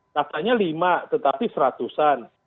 katanya lima tetapi seratusan